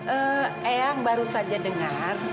eh yang baru saja dengar